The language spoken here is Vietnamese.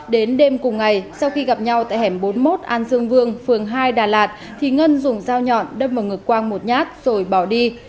đến đêm cùng ngày sau khi gặp nhau tại hẻm bốn mươi một an dương vương phường hai đà lạt thì ngân dùng dao nhọn đâm vào ngực quang một nhát rồi bỏ đi